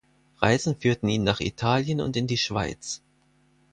Reisen führten ihn nach Italien und in die Schweiz.